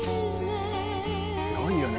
すごいよね